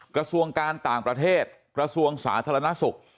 กระทรวงการต่างประเทศกระทรวงสาธารณสุข